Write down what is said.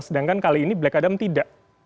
sedangkan kali ini black adam tidak